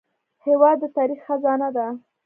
هېواد د تاریخ خزانه ده.